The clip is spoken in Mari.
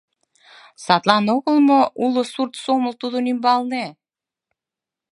Садлан огыл мо уло сурт сомыл тудын ӱмбалне?